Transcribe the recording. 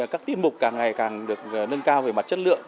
các tiết mục càng ngày càng được nâng cao về mặt chất lượng